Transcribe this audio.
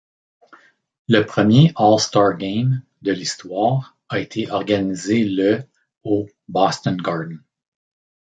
Le premier All-Star Game de l'histoire a été organisé le au Boston Garden.